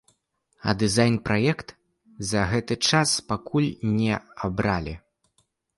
А дызайн-праект за гэты час пакуль не абралі.